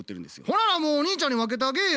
ほなもうお兄ちゃんに分けてあげぇや。